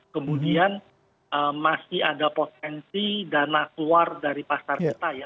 kemudian masih ada potensi dana keluar dari pasar kita ya